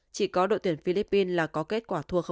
chỉ có đội tuyển philippines là có kết quả thua một